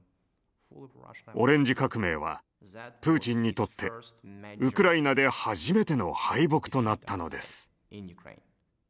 オレンジ革命はプーチンにとってウクライナで初めての敗北となったのです。